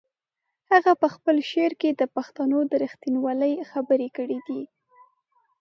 هغه په خپل شعر کې د پښتنو د رښتینولۍ خبرې کړې دي.